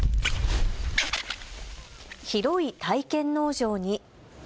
広い体験農場に。